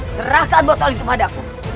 serahkan botol itu padaku